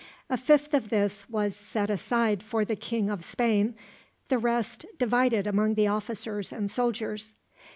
A fifth of this was set aside for the King of Spain, the rest divided among the officers and soldiers.